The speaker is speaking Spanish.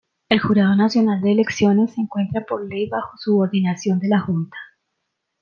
El Jurado Nacional de Elecciones se encuentra por ley bajo subordinación de la Junta.